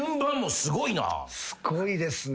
すごいですね。